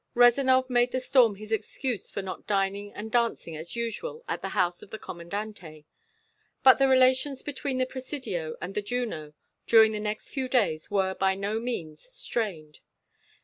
Rezanov made the storm his excuse for not dining and dancing as usual at the house of the Commandante. But the relations between the Presidio and the Juno during the next few days were by no means strained.